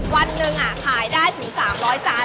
วันหนึ่งขายได้ถึง๓๐๐จาน